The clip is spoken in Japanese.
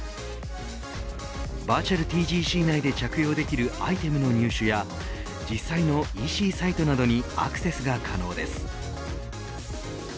バーチャルＴＧＣ内で着用できるアイテムの入手や実際のＥＣサイトなどにアクセスが可能です。